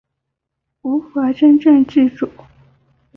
无法真正自主